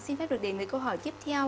xin phép được đến với câu hỏi tiếp theo